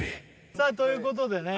さあということでね